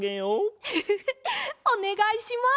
フフフおねがいします。